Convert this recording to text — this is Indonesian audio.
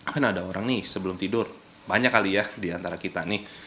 kan ada orang nih sebelum tidur banyak kali ya diantara kita nih